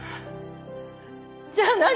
じゃあ何？